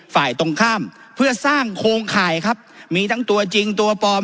ฝ่ายตรงข้ามเพื่อสร้างโครงข่ายครับมีทั้งตัวจริงตัวปลอม